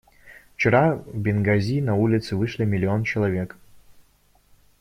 Вчера в Бенгази на улицы вышли миллион человек.